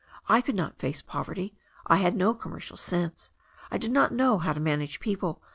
I could not face poverty. I had no commercial sense. I did not know how to manage people.